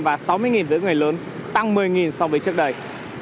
và sáu mươi với người lớn tăng một mươi so với trước đây